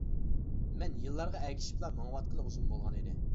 مەن يىللارغا ئەگىشىپلا مېڭىۋاتقىلى ئۇزۇن بولغانىدى.